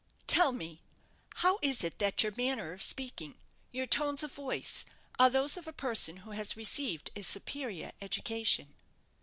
"Tell me, how is it that your manner of speaking, your tones of voice, are those of a person who has received a superior education?"